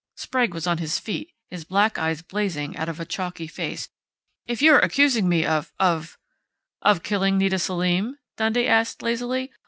Sprague was on his feet, his black eyes blazing out of a chalky face. "If you're accusing me of of " "Of killing Nita Selim?" Dundee asked lazily.